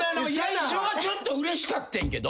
最初はちょっとうれしかってんけど。